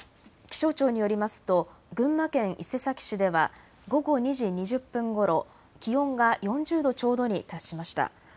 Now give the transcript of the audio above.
気象庁によりますと群馬県伊勢崎市では午後２時２０分ごろ、気温が４０度ちょうどに達しました。